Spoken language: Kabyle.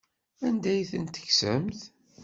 Anda ay ten-tekksemt?